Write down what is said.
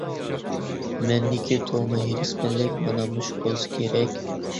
مەندىكى تۇغما ھېرىسمەنلىك مانا مۇشۇ بولسا كېرەك.